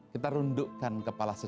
kita rundukkan kepala kita